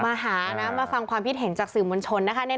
มาหานะมาฟังความคิดเห็นจากสื่อมวลชนนะคะ